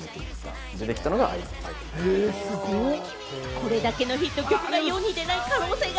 これだけのヒット曲が世に出ない可能性が